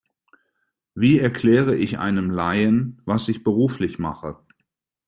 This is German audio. Wie erkläre ich einem Laien, was ich beruflich mache?